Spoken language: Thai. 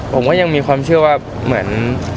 ผมก็ยังมีความเชื่อว่าเหมือน